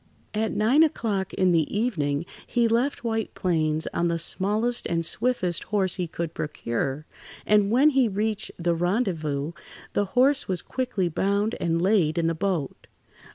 At nine o'clock in the evening he left White Plains on the smallest and swiftest horse he could procure, and when he reached the rendezvous, the horse was quickly bound and laid in the boat.